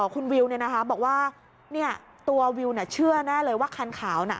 คุณวิวเนี่ยนะคะบอกว่าเนี่ยตัววิวน่ะเชื่อแน่เลยว่าคันขาวน่ะ